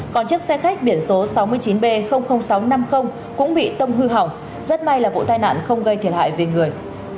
còn chiếc xe khách biển số sáu mươi chín b sáu trăm năm mươi cũng bị tông hư hỏng rất may là vụ tai nạn không gây thiệt hại về người